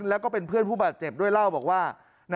แล้วก็เป็นเพื่อนผู้บาดเจ็บด้วยเล่าบอกว่า